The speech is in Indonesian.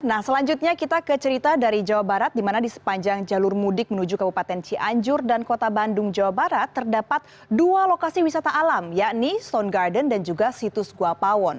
nah selanjutnya kita ke cerita dari jawa barat dimana di sepanjang jalur mudik menuju kabupaten cianjur dan kota bandung jawa barat terdapat dua lokasi wisata alam yakni stone garden dan juga situs guapawon